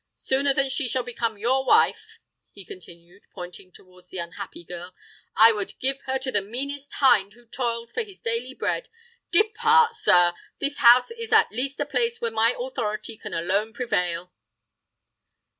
Sooner than she shall become your wife," he continued, pointing towards the unhappy girl, "I would give her to the meanest hind who toils for his daily bread. Depart, sir:—this house is at least a place where my authority can alone prevail!"